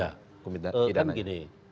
ya kan gini